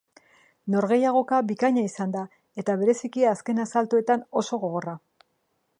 Norgehiagoka bikaina izan da eta bereziki azken asaltoetan oso gogorra.